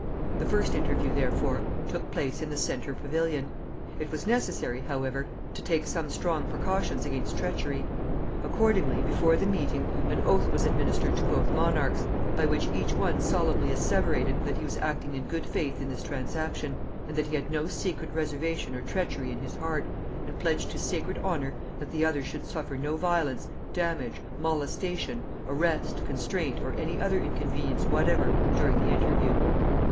The first interview therefore took place in the centre pavilion. It was necessary, however, to take some strong precautions against treachery. Accordingly, before the meeting, an oath was administered to both monarchs, by which each one solemnly asseverated that he was acting in good faith in this transaction, and that he had no secret reservation or treachery in his heart, and pledged his sacred honor that the other should suffer no violence, damage, molestation, arrest, constraint, or any other inconvenience whatever during the interview.